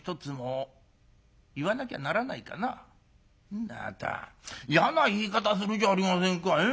「んなあなた嫌な言い方するじゃありませんか。